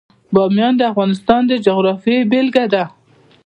بامیان د افغانستان د جغرافیې بېلګه ده.